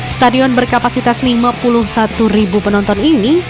stadion berkapasitas lima puluh satu ribu penonton ini